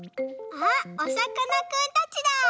あっおさかなくんたちだ。